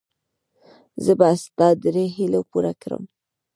زه به ستا درې هیلې پوره کړم.